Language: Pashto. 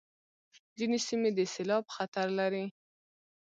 ځینې سیمې د سېلاب خطر لري.